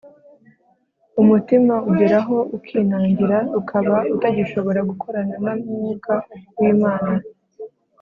umutima ugeraho ukinangira ukaba utagishobora gukorana na mwuka w’imana